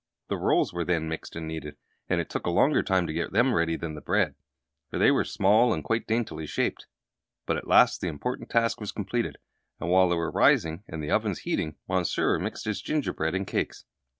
The rolls were then mixed and kneaded, and it took a longer time to get them ready than it had the bread, for they were small and quite daintily shaped. But at last the important task was completed, and while they were rising and the ovens heating, Monsieur mixed his gingerbread and cakes.